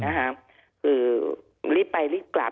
อาหารทผู้พูดครับ